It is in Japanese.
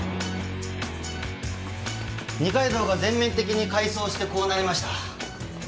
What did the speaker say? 二階堂が全面的に改装してこうなりました。